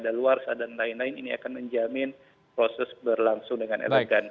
daluarsa dan lain lain ini akan menjamin proses berlangsung dengan elegan